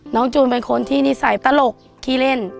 จูนเป็นคนที่นิสัยตลกขี้เล่น